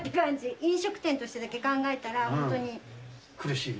飲食店としてだけ考えたら、苦しいね。